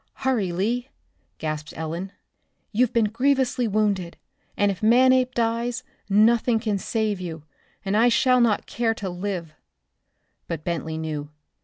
"Hurry, Lee!" gasped Ellen. "You've been grievously wounded, and if Manape dies, nothing can save you and I shall not care to live!" But Bentley knew.